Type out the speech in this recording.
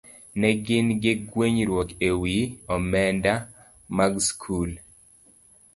Ne gin gi gwenyruok e wi omenda mag skul.